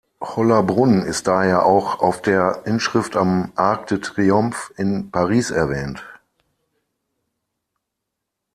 Hollabrunn ist daher auch auf der Inschrift am Arc de Triomphe in Paris erwähnt.